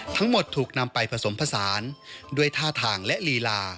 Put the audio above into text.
ถูกนำไปผสมผสานด้วยท่าทางและลีลา